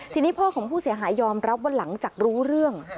ทีนี้พ่อของผู้เสียหายยอมรับว่าหลังจากรู้เรื่อง